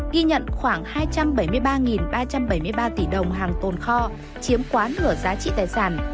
ghi nhận khoảng hai trăm bảy mươi ba ba trăm bảy mươi ba tỷ đồng hàng tồn kho chiếm quá nửa giá trị tài sản